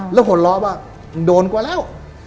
แล้วหนอร้อยว่าโดนกว่าแล้ว